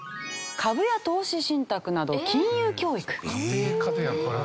株や投資信託など金融教育。